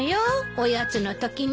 おやつのときに。